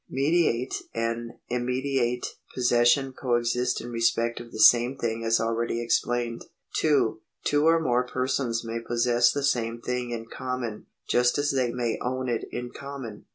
Mediate and immediate possession coexist in respect of the same thing as already explained. 2. Two or more persons may possess the same thing in common, just as they may own it in common.